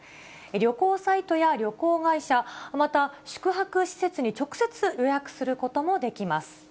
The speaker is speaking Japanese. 旅行サイトや旅行会社、また宿泊施設に直接予約することもできます。